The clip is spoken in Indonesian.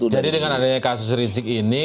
jadi dengan adanya kasus risik ini